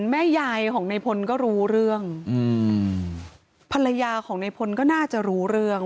แม่ยายของในพลก็รู้เรื่องอืมภรรยาของในพลก็น่าจะรู้เรื่อง